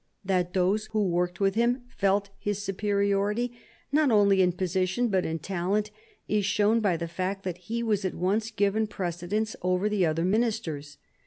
That those who worked with him felt his superiority, not only in position but in talent, is shown by the fact that he was at once given precedence over the other Ministers.